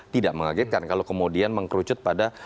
tidak mengagetkan kalau kemudian mengkerucut pada